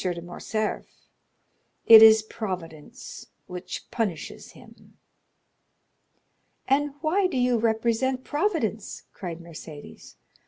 de Morcerf; it is Providence which punishes him." "And why do you represent Providence?" cried Mercédès.